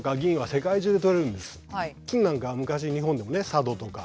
金なんかは昔日本でもね佐渡とか。